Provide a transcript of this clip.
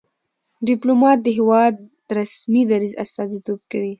ډيپلومات د هېواد د رسمي دریځ استازیتوب کوي.